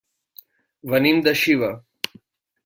Venim de Xiva.